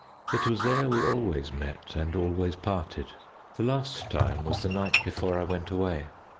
It was there we always met and always parted. The last time was the night before I went away.